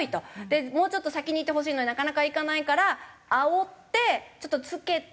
でもうちょっと先に行ってほしいのになかなか行かないからあおってちょっとつけてどいてねって。